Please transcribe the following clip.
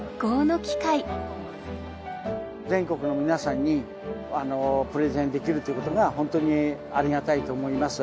全国の皆さんにプレゼンできるということが本当にありがたいと思います。